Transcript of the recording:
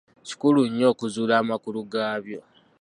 Kikulu nnyo okuzuula amakulu gaabyo.